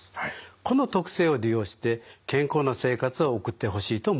この特性を利用して健康な生活を送ってほしいと思います。